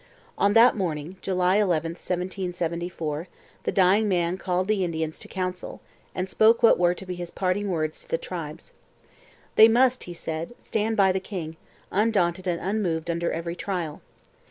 On that morning, July 11, 1774, the dying man called the Indians to council, and spoke what were to be his parting words to the tribes. They must, he said, stand by the king, undaunted and unmoved under every trial.